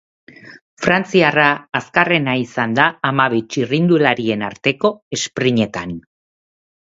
Frantziarra azkarrena izan da hamabi txirrindulariren arteko esprintean.